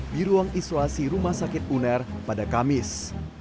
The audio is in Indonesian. di ruang isolasi rumah sakit uner pada kamis